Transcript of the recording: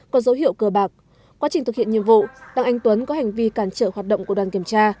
có dấu hiệu cờ bạc quá trình thực hiện nhiệm vụ đặng anh tuấn có hành vi cản trở hoạt động của đoàn kiểm tra